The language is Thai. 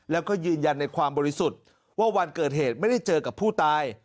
แล้วก็ยืนยันในความบริสุทธิ์ว่าวันเกิดเหตุไม่ได้เจอกับผู้ตาย